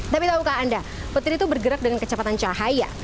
tapi tahukah anda petir itu bergerak dengan kecepatan cahaya